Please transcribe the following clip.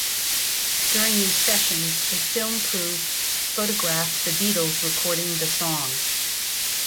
During these sessions, a film crew photographed the Beatles recording the song.